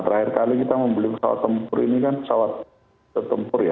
terakhir kali kita membeli pesawat tempur ini kan pesawat tempur ya